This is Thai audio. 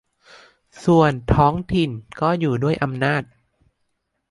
ส่วนท้องถิ่นก็อยู่ด้วยอำนาจ